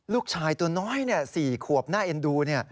ลูกชายตัวน้อย๔ขวบน่าเอ็นดู